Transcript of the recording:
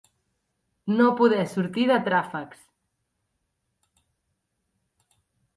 No poder sortir de tràfecs.